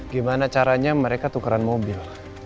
gimana caranya mereka tukaran mobil